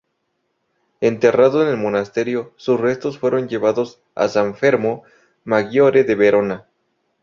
Enterrado en el monasterio, sus restos fueron llevados a San Fermo Maggiore de Verona.